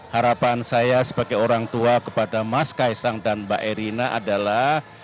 harapan saya sebagai orang tua kepada mas kaisang dan mbak erina adalah